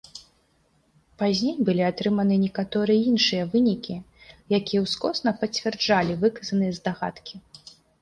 Пазней былі атрыманы некаторыя іншыя вынікі, якія ўскосна пацвярджалі выказаныя здагадкі.